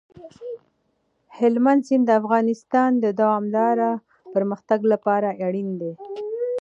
هلمند سیند د افغانستان د دوامداره پرمختګ لپاره اړین دي.